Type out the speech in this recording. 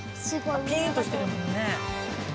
ピーンとしてるもんね。